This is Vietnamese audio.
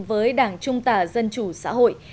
với đảng trung tả dân chủ xã hội